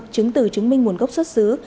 chứng từ chứng minh nguồn gốc xuất xứ